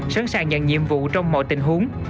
sẵn sàng nhận nhiệm vụ trong mọi tình huống